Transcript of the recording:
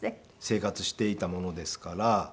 生活していたものですから。